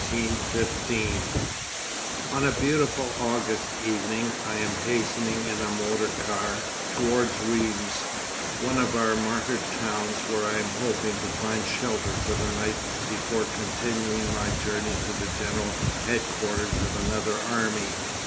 _ On a beautiful August evening I am hastening in a motor car towards Rheims, one of our martyred towns, where I am hoping to find shelter for the night before continuing my journey to the General Headquarters of another Army.